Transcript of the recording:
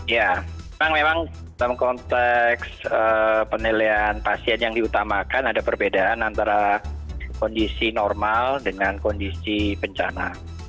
ya memang dalam konteks penilaian pasien yang diutamakan ada perbedaan antara kondisi normal dengan kondisi bencana